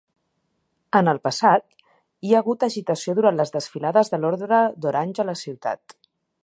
En el passat, hi ha hagut agitació durant les desfilades de l'Ordre d'Orange a la ciutat.